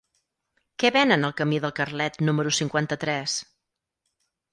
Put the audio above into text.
Què venen al camí del Carlet número cinquanta-tres?